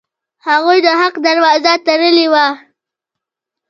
هغوی د حق دروازه تړلې وه.